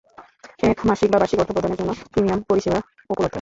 এক মাসিক বা বার্ষিক অর্থ প্রদানের জন্য প্রিমিয়াম পরিষেবা উপলব্ধ।